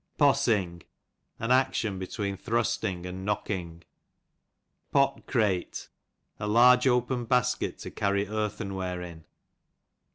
Possing, an action between thrusting and knocking. Pot crate, a large open basket to carry earthen^ware in.